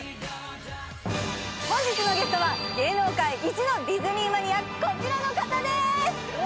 本日のゲストは芸能界一のディズニーマニア、この人です、どうぞ！